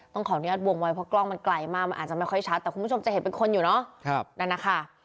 ขออนุญาตวงไว้เพราะกล้องมันไกลมากมันอาจจะไม่ค่อยชัดแต่คุณผู้ชมจะเห็นเป็นคนอยู่เนาะนั่นนะคะ